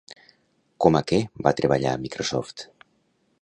Com a què va treballar a Microsoft?